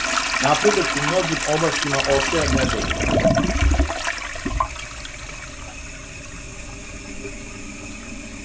Напредак у многим областима остаје недовољан.